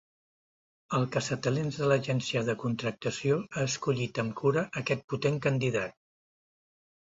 El caçatalents de l'agència de contractació ha escollit amb cura aquest potent candidat.